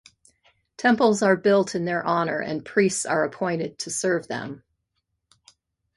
Temples are built in their honor and priests are appointed to serve them.